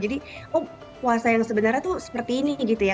jadi oh puasa yang sebenarnya tuh seperti ini gitu ya